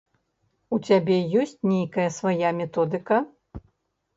У цябе ёсць нейкая свая методыка?